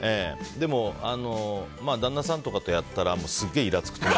でも、旦那さんとかとやったらすげえイラつくと思う。